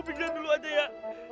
gue pingsan dulu aja ya